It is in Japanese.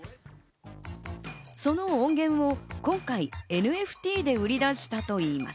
その音源を今回、ＮＦＴで売り出したといいます。